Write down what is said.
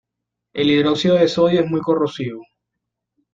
El hidróxido de sodio es muy corrosivo.